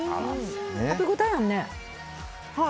食べ応えあるね。